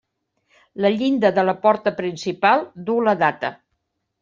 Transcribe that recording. La llinda de la porta principal duu la data.